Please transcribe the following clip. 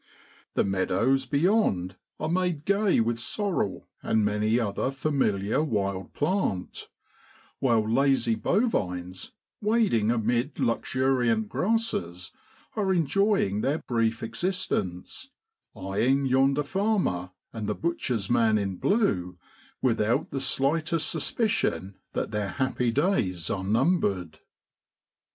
The meadows beyond are made gay with sorrel, and many another familiar wild plant; while lazy bovines, wading amid luxuriant grasses, are enjoying their brief existence, eyeing yonder farmer, and the butcher's man in blue, without the slight est suspicion that their happy days are numbered.